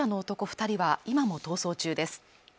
二人は今も逃走中です